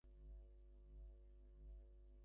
এটা কিসের অধিকার?